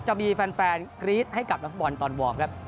จะมีแฟนกรี๊ดให้กับนักฟุตบอลตอนวอร์มครับ